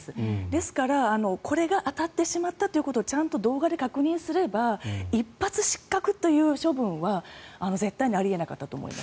ですから、これが当たってしまったということをちゃんと動画で確認すれば一発失格という処分は絶対にあり得なかったと思います。